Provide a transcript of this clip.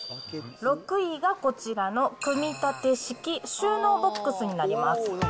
６位がこちらの、組み立て式収納ボックスになります。